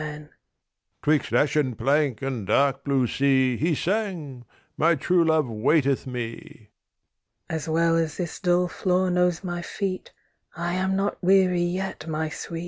THE RAVEN 'Twixt ashen plank and dark blue sea, He sang: My true love waiteth me. THE KING'S DAUGHTER As well as this dull floor knows my feet, I am not weary yet, my sweet.